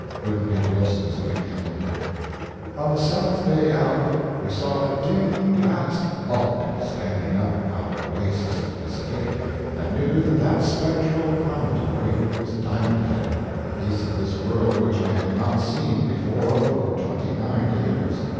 Pudd'nhead Wilson's New Calendar. On the seventh day out we saw a dim vast bulk standing up out of the wastes of the Pacific and knew that that spectral promontory was Diamond Head, a piece of this world which I had not seen before for twenty nine years.